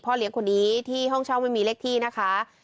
เลี้ยงคนนี้ที่ห้องเช่าไม่มีเลขที่นะคะ